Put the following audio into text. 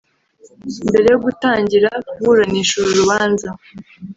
Mbere yo gutangira kuburanisha uru rubanza